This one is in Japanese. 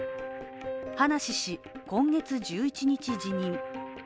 葉梨氏、今月１１日辞任。